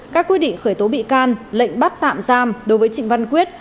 các quy định khởi tố bị can lệnh bắt tạm giam đối với trịnh văn quyết